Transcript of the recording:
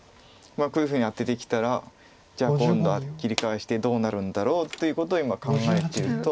こういうふうにアテてきたらじゃあ今度切り返してどうなるんだろうっていうことを今考えてると。